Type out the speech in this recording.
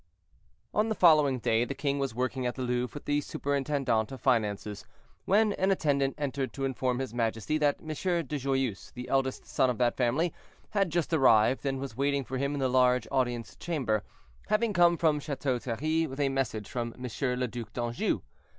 On the following day the king was working at the Louvre with the superintendent of finances, when an attendant entered to inform his majesty that Monsieur de Joyeuse, the eldest son of that family, had just arrived, and was waiting for him in the large audience chamber, having come from Chateau Thierry, with a message from Monsieur le Duc d'Anjou.